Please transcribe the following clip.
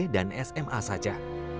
dan sma saja